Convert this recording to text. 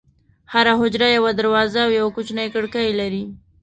هره حجره یوه دروازه او یوه کوچنۍ کړکۍ لري.